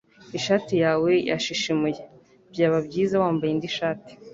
Ishati yawe yashishimuye. Byaba byiza wambaye indi shati.